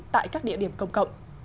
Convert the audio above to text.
tại các địa điểm công cộng